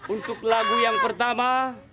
untuk lagu yang pertama